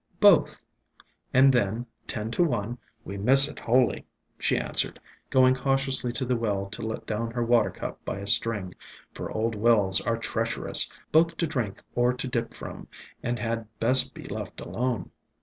"Both, and then, ten to one, we miss it wholly," she answered, going cautiously to the well to let down her water cup by a string, for old wells are treacherous, both to drink or to dip from, and had best be left alone.